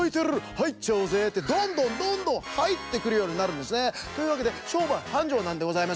はいっちゃおうぜ」ってどんどんどんどんはいってくるようになるんですね。というわけでしょうばいはんじょうなんでございます。